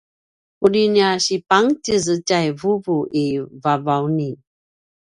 uri nia sipangtjez tjai vuvu i Vavauni